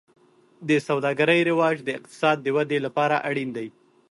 د سوداګرۍ رواج د اقتصاد د ودې لپاره اړین دی.